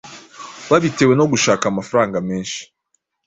Babitewe no gushaka amafaranga menshi